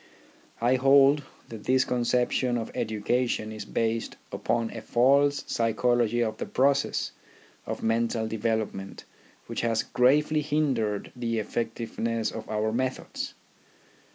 I hold that this conception of education is based upon a false psychology of the process of mental development which has gravely hindered the effectiveness of our methods.